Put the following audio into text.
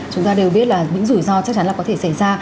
chúng ta đều biết là những rủi ro chắc chắn là có thể xảy ra